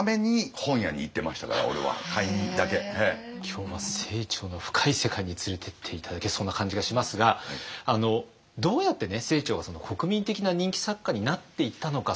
今日は清張の深い世界に連れてって頂けそうな感じがしますがどうやってね清張が国民的な人気作家になっていったのか。